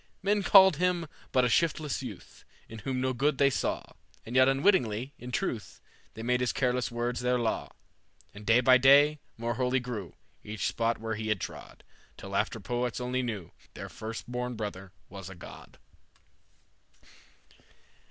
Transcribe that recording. "Men called him but a shiftless youth, In whom no good they saw, And yet unwittingly, in truth, They made his careless words their law. "And day by day more holy grew Each spot where he had trod, Till after poets only knew Their first born brother was a god."